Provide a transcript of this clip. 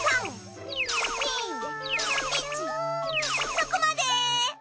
そこまで。